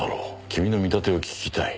君の見立てを聞きたい。